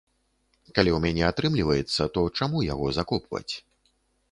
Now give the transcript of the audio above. Калі ў мяне атрымліваецца, то чаму яго закопваць?